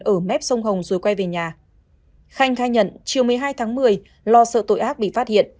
ở mép sông hồng rồi quay về nhà khanh khai nhận chiều một mươi hai tháng một mươi lo sợ tội ác bị phát hiện